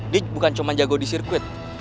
dig bukan cuma jago di sirkuit